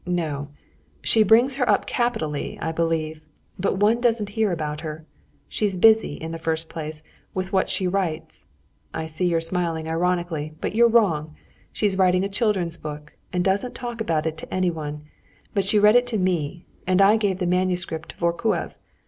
No, she brings her up capitally, I believe, but one doesn't hear about her. She's busy, in the first place, with what she writes. I see you're smiling ironically, but you're wrong. She's writing a children's book, and doesn't talk about it to anyone, but she read it to me and I gave the manuscript to Vorkuev